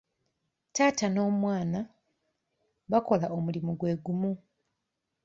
Taata n'omwana bakola omulimu gwe gumu.